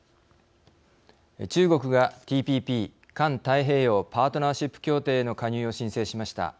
中国がＴＰＰ＝環太平洋パートナーシップ協定への加入を申請しました。